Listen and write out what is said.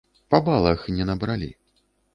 Па балах не набралі.